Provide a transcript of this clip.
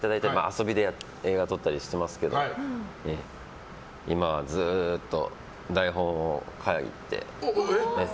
遊びで映画を撮ったりしていますけど今ずっと台本を書いて。